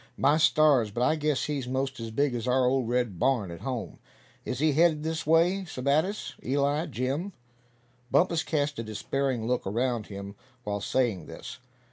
"My stars! but I guess he's most as big as our old red barn at home. Is he heading this way, Sebattis, Eli, Jim?" Bumpus cast a despairing look around him while saying this.